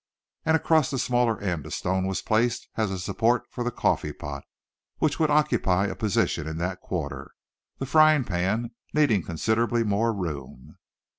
And across the smaller end a stone was placed as a support for the coffee pot which would occupy a position in that quarter, the frying pan needing considerably more room.